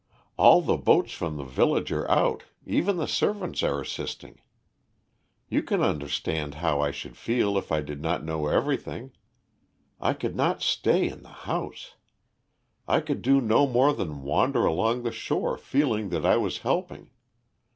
All the boats from the village are out, even the servants are assisting. You can understand how I should feel if I did not know everything. I could not stay in the house; I could do no more than wander along the shore feeling that I was helping.